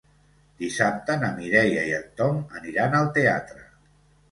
Dissabte na Mireia i en Tom aniran al teatre.